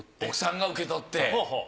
奥さんが受け取って。